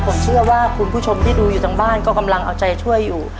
ผมเชื่อว่าคุณผู้ชมที่ดูอยู่ทางบ้านก็กำลังเอาใจช่วยอยู่